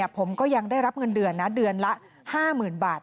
ผมก็ยังได้รับเงินเดือนนะเดือนละ๕๐๐๐บาท